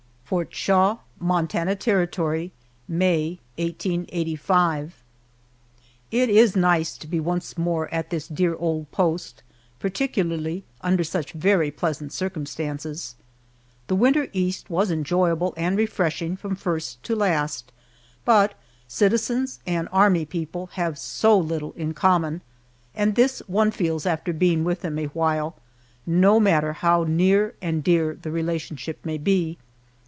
FORT SHAW, MONTANA TERRITORY, May, 1885. IT is nice to be once more at this dear old post, particularly under such very pleasant circumstances. The winter East was enjoyable and refreshing from first to last, but citizens and army people have so little in common, and this one feels after being with them a while, no matter how near and dear the relationship may be.